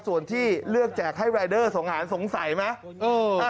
ส่วนที่เลือกแจกให้รายเดอร์สังหารสงสัยไหม